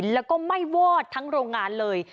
แล้วก็ไหม้วอดทั้งโรงงานเลย